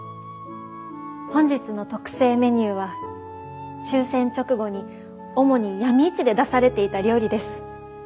本日の特製メニューは終戦直後に主に闇市で出されていた料理です。